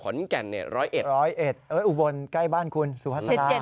อุบลใกล้บ้านคุณสุภาษณา